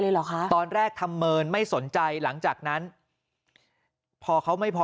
เหรอคะตอนแรกทำเมินไม่สนใจหลังจากนั้นพอเขาไม่พอ